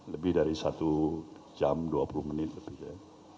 lebih dari satu jam dua puluh menit lebih ya